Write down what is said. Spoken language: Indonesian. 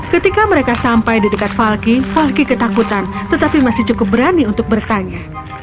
ketika mereka sampai di dekat falking falky ketakutan tetapi masih cukup berani untuk bertanya